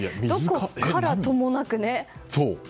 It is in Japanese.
どこからともなくね。